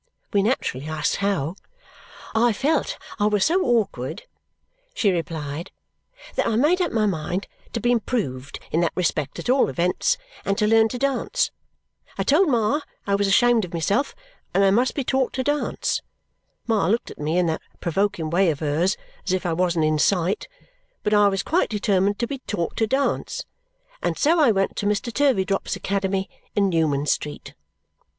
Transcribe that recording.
We naturally asked how. "I felt I was so awkward," she replied, "that I made up my mind to be improved in that respect at all events and to learn to dance. I told Ma I was ashamed of myself, and I must be taught to dance. Ma looked at me in that provoking way of hers as if I wasn't in sight, but I was quite determined to be taught to dance, and so I went to Mr. Turveydrop's Academy in Newman Street."